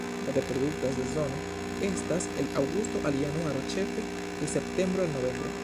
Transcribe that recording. La reprodukta sezono estas el aŭgusto al januaro, ĉefe el septembro al novembro.